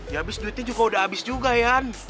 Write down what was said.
ya abis duitnya juga udah abis juga yan